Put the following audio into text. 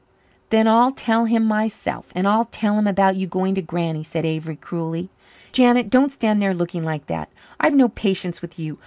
"Then I'll tell him myself and I'll tell him about you going to Granny," said Avery cruelly. "Janet, don't stand there looking like that. I've no patience with you.